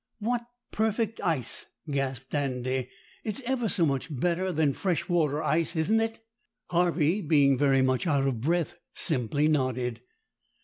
"What perfect ice!" gasped Andy. "It's ever so much better than fresh water ice, isn't it?" Harvey, being very much out of breath, simply nodded.